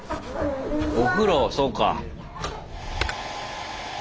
お風呂そうか。